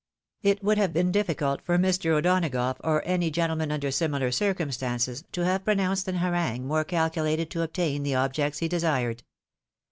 It would have been difficult for Mr. O'Donagough, or any gentleman under similar circumstances, to have pronounced an harangue more calculated to obtain the objects he desired.